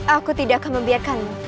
aku tidak akan membiarkanmu